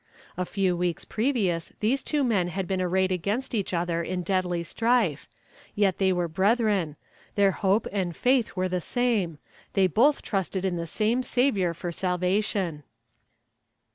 A few weeks previous these two men had been arrayed against each other in deadly strife; yet they were brethren; their faith and hope were the same; they both trusted in the same Saviour for salvation.